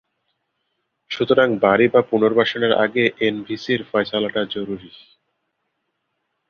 সুতরাং বাড়ি বা পুনর্বাসনের আগে এনভিসির ফয়সালাটা জরুরি।